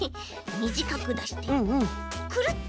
みじかくだしてくるっ！